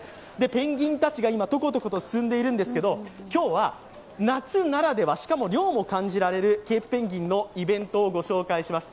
ペンギンたちがトコトコと進んでいるんですけれども今日は夏ならではしかも涼も感じられるケープペンギンのイベントを御紹介します。